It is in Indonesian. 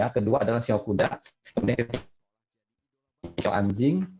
kedua adalah siu kuda kemudian siu anjing